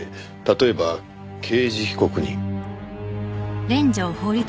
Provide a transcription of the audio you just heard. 例えば刑事被告人。